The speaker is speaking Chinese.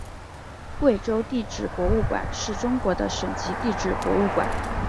贵州地质博物馆是中国的省级地质博物馆。